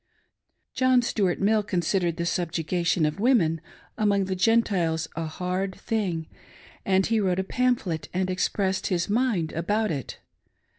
John Stuart Mill considered the " Subjugation of Women " among the Gentiles a hard thing, and he wrote a pamphlet and " expressed his mind " about it.